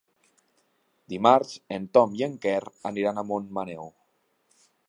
Dimarts en Ton i en Quer aniran a Montmaneu.